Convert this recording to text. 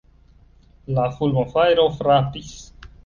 La fulmofajro frapis.